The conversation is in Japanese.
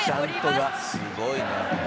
「すごいね」